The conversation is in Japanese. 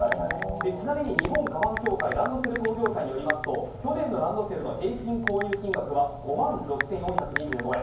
ちなみに日本鞄協会ランドセル工業会によりますと去年のランドセルの平均購入金額は５万６４２５円。